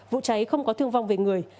vụ cháy không có thương vong về người